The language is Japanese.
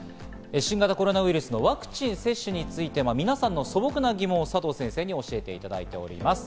新型コロナウイルスのワクチン接種について皆さんの素朴な疑問を佐藤先生に教えていただいております。